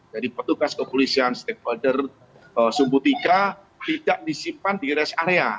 jadi petugas kepolisian stakeholder sumbu tiga tidak disimpan di res area